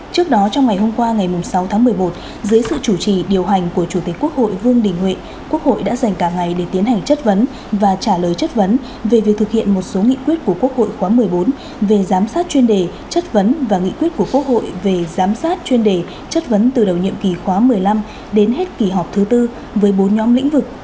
trước đó trong ngày hôm qua ngày sáu tháng một mươi một dưới sự chủ trì điều hành của chủ tịch quốc hội vương đình huệ quốc hội đã dành cả ngày để tiến hành chất vấn và trả lời chất vấn về việc thực hiện một số nghị quyết của quốc hội khóa một mươi bốn về giám sát chuyên đề chất vấn và nghị quyết của quốc hội về giám sát chuyên đề chất vấn từ đầu nhiệm kỳ khóa một mươi năm đến hết kỳ họp thứ bốn với bốn nhóm lĩnh vực